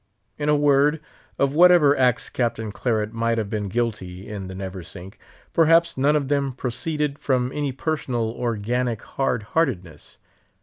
In a word, of whatever acts Captain Claret might have been guilty in the Neversink, perhaps none of them proceeded from any personal, organic hard heartedness.